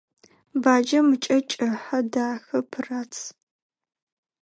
Баджэм ыкӏэ кӏыхьэ, дахэ, пырац.